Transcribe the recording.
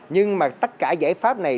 nhưng mà tất cả giải pháp này